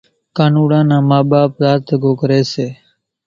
ڪانوڙا نان ما ٻاپ راچ زڳو ڪري سي